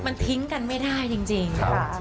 มันทิ้งกันไม่ได้จริง